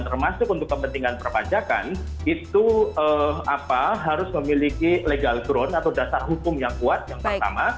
termasuk untuk kepentingan perpajakan itu harus memiliki legal ground atau dasar hukum yang kuat yang pertama